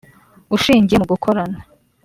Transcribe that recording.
ushingiye mu gukorana